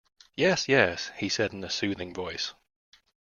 "Yes, yes," he said, in a soothing voice.